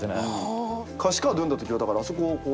歌詞カード読んだときはだからあそこをこうまあ。